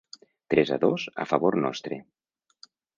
Tres a dos a favor nostre.